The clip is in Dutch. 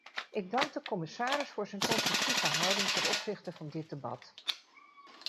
Ik dank de commissaris voor zijn constructieve houding ten opzichte van dit debat.